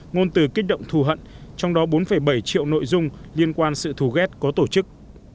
ngôn từ kích động thù hận trong đó bốn bảy triệu nội dung liên quan sự thù ghét có tổ chức